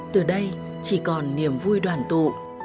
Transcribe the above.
từ đây chỉ còn niềm vui đoàn tụ